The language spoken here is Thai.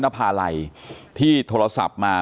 นภาลัยที่โทรศัพท์มา